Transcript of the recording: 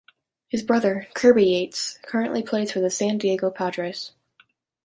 His brother, Kirby Yates, currently plays for the San Diego Padres.